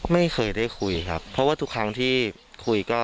ไม่เคยได้คุยครับเพราะว่าทุกครั้งที่คุยก็